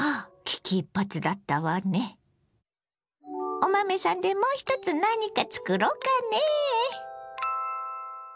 お豆さんでもう一つ何か作ろうかねぇ。